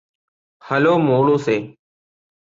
Hello മോളൂസേ.